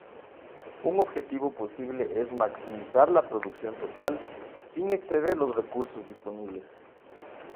Un objetivo posible es maximizar la producción total, sin exceder los recursos disponibles.